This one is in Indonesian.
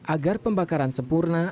agar pembakaran sempurna